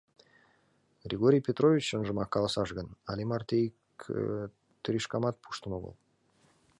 Григорий Петрович, чынжымак каласаш гын, але марте ик тришкамат пуштын огыл.